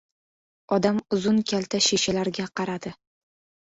Odam uzun-kalta shishalarga qaradi.